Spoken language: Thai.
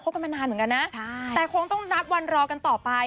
กันมานานเหมือนกันนะใช่แต่คงต้องนับวันรอกันต่อไป